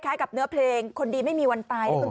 กับเนื้อเพลงคนดีไม่มีวันตาย